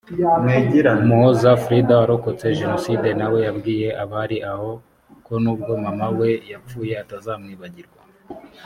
umuhoza frida warokotse jenoside na we yabwiye abari aho ko n’ubwo mama we yapfuye atazamwibagirwa